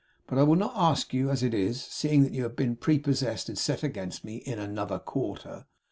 But I will not ask you as it is; seeing that you have been prepossessed and set against me in another quarter.